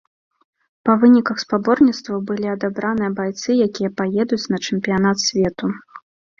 Па выніках спаборніцтваў былі адабраны байцы, якія паедуць на чэмпіянат свету.